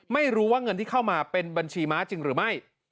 ไม่รู้ว่าเงินที่เข้ามาเป็นบัญชีม้าจริงหรือไม่